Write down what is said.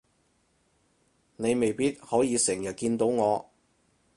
你未必可以成日見到我